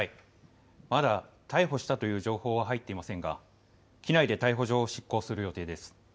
まだ逮捕したという情報は入っていませんが機内で逮捕状を執行する予定です。